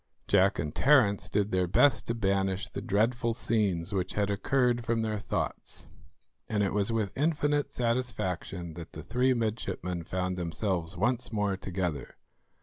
Jack and Terence did their best to banish the dreadful scenes which had occurred from their thoughts, and it was with infinite satisfaction that the three midshipmen found themselves once more together.